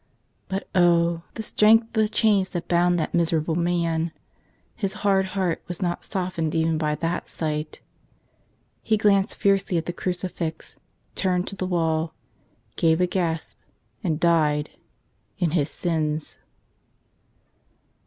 But oh! the strength of the chains that bound that miserable man! His hard heart was not softened even by that sight. He glanced fierce¬ ly at the crucifix, turned to the wall, gave a gasp, and died — in his sins